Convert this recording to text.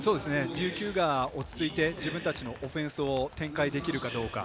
琉球が落ち着いて自分たちのオフェンスを展開できるかどうか。